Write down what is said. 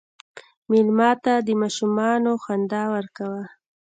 مېلمه ته د ماشومان خندا ورکوه.